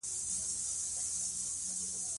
سیاسي اصلاحات دوام غواړي